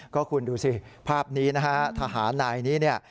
ก็คุณดูสิภาพนี้นะฮะทหารนายนี้เนี่ย